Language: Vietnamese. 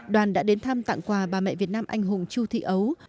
đoàn đã đến thăm tặng quà bà mẹ việt nam anh hùng chu thị ấu